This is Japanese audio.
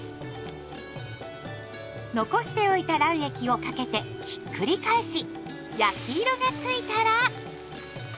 残しておいた卵液をかけてひっくり返し焼き色がついたら。